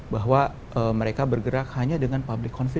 bahwa mereka bergerak hanya dengan memiliki keuntungan